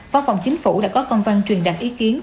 phó phòng chính phủ đã có công văn truyền đặt ý kiến